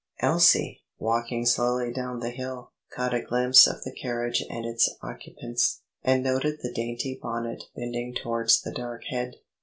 Elsie, walking slowly down the hill, caught a glimpse of the carriage and its occupants, and noted the dainty bonnet bending towards the dark head.